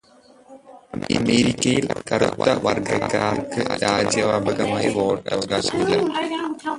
അമേരിക്കയില് കറുത്തവര്ഗക്കാര്ക്ക് രാജ്യവ്യാപകമായി വോട്ടവകാശമില്ല.